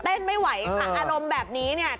เต้นไม่ไหวอารมณ์แบบนี้เนี่ย